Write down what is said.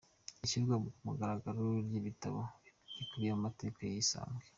Ishyirwa ku mugaragaro ry’ Igitabo gikubiyemo amateka ya Isange